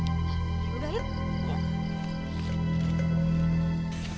ya udah yuk